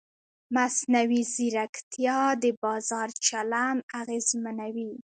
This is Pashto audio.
مصنوعي ځیرکتیا د بازار چلند اغېزمنوي.